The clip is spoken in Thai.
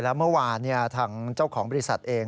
แล้วเมื่อวานทางเจ้าของบริษัทเอง